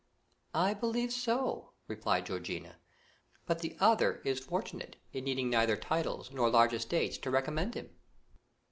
"I believe so," replied Georgiana, "but the other is fortunate in needing neither titles nor large estates to recommend him."